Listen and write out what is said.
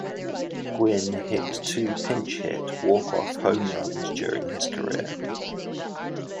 Gwynn hit two pinch-hit walk-off home runs during his career.